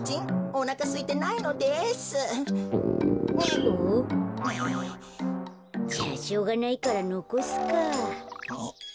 グ。じゃあしょうがないからのこすか。